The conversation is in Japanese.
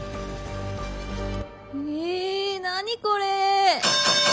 え何これ？